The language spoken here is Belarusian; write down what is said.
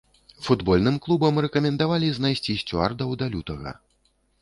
Футбольным клубам рэкамендавалі знайсці сцюардаў да лютага.